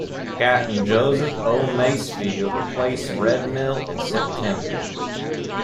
Captain Joseph O. Masefield replaced Redmill in September.